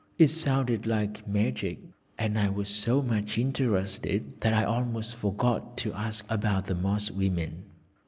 It sounded like magic, and I was so much interested that I almost forgot to ask about the Moss women.